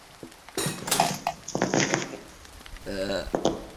এভাবে পরিস্থিতি আরো খারাপ হবে।